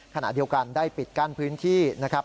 ขณะเดียวกันได้ปิดกั้นพื้นที่นะครับ